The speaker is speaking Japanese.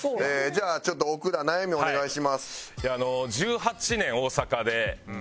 じゃあちょっと奥田悩みお願いします。